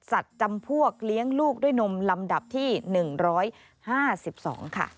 จำพวกเลี้ยงลูกด้วยนมลำดับที่๑๕๒ค่ะ